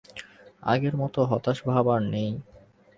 আগের মত হতাশ ভাব আর নেই।